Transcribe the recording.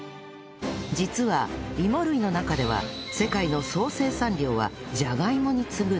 実はイモ類の中では世界の総生産量はジャガイモに次ぐ第２位